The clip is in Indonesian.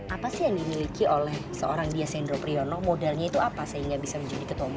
apa sih yang dimiliki oleh seorang dia sendro priyono modalnya itu apa sehingga bisa menjadi ketua umum